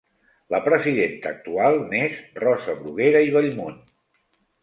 La presidenta actual n'és Rosa Bruguera i Bellmunt.